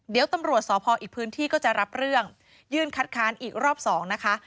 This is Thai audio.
เดี๋ยวตำรวจสพอีกพื้นที่ก็จะรับเรื่องยื่นคัดค้านอีกรอบสองนะคะ